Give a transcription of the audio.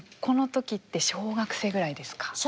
この時って小学生ぐらいですか？